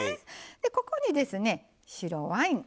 ここにですね白ワイン。